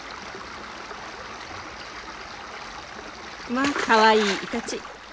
まあかわいいイタチ！